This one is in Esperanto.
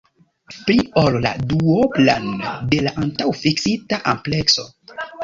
Pli ol la duoblon de la antaŭfiksita amplekso!